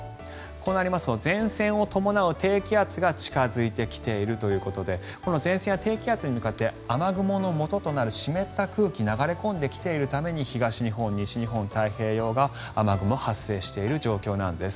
こうなりますと前線を伴う低気圧が近付いてきているということでこの前線や低気圧に向かって雨雲のもととなる湿った空気が流れ込んできているために東日本、西日本の太平洋側雨雲が発生している状況なんです。